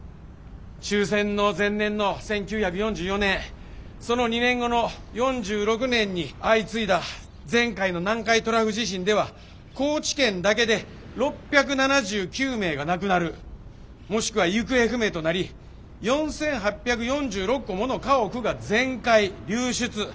終戦の前年の１９４４年その２年後の４６年に相次いだ前回の南海トラフ地震では高知県だけで６７９名が亡くなるもしくは行方不明となり４，８４６戸もの家屋が全壊流出。